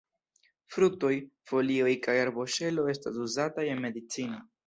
Fruktoj, folioj kaj arboŝelo estas uzataj en medicino.